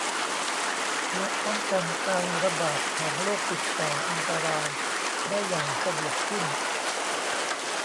และป้องกันการระบาดของโรคติดต่ออันตรายได้อย่างสะดวกขึ้น